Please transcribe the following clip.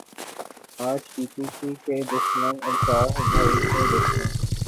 آج P P P کے دشمن الطاف بھائی کے دشمن